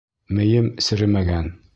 Мейем серемәгән!